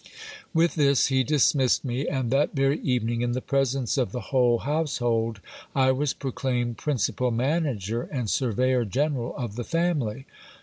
With this he dismissed me; and that very evening, in the presence of the whole household, I was proclaimed principal manager and surveyor general of the family.